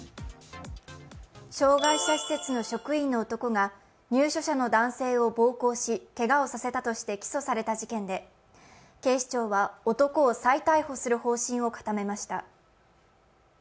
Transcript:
障害者施設の職員の男が入所者の男性を暴行しけがをさせたとして起訴された事件で、警視庁は男を再逮捕する方針を固めました。